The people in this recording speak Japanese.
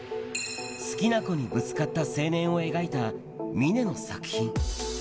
好きな子にぶつかった青年を描いた峰の作品。